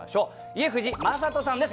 家藤正人さんです